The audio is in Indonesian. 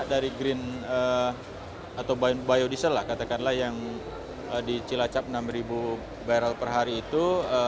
dari biodiesel yang di cilacap enam ribu barrel per hari itu